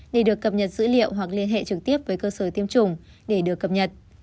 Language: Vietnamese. để được cập nhật dữ liệu hoặc liên hệ trực tiếp với cơ sở tiêm chủng để được cập nhật